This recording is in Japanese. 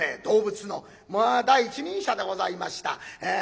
動物のまあ第一人者でございました。